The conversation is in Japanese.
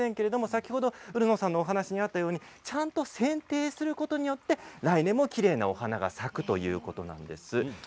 先ほど宇留野さんのお話にあったようにちゃんとせんていすることによって来年もきれいなお花が咲くということなんです。